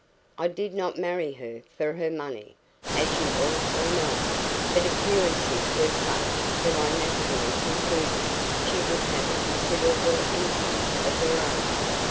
I did not marry her for her money, as you also know, but appearances were such that I naturally concluded she would have a considerable income of her own.